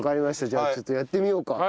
じゃあちょっとやってみようか。